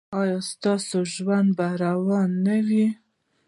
ایا ستاسو ژوند به روان نه وي؟